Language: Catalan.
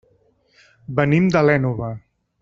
Venim de l'Ènova.